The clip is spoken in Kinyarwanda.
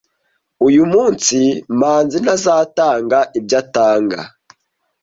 Uyu munsi, Manzi ntazatanga ibyo atanga.